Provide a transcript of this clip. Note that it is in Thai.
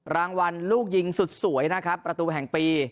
รางวัลลูกยิงสุดสวยนะครับประตูแห่งปี